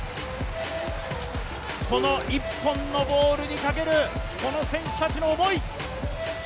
この一本のボールに懸ける選手たちの思い！